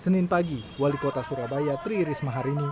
senin pagi wali kota surabaya triirisma hari ini